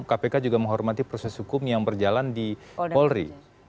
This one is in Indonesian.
kpk juga menghormati proses hukum yang berjalan di polri